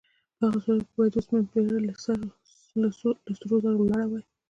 په هغه صورت کې باید د اوسپنې بیه له سرو زرو لوړه وای.